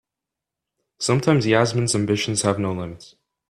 Sometimes Yasmin's ambitions have no limits.